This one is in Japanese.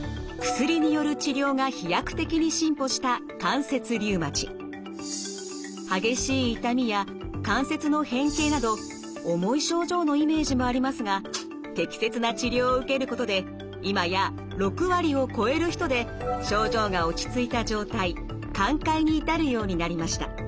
薬による治療が飛躍的に進歩した激しい痛みや関節の変形など重い症状のイメージもありますが適切な治療を受けることで今や６割を超える人で症状が落ち着いた状態寛解に至るようになりました。